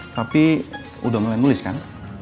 tapi udah mulai nulis kan